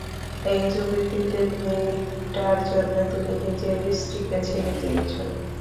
এই যুবতী পেত্নীটার জন্যে তুমি নিজের স্ত্রী- কে ছেড়ে দিয়েছো?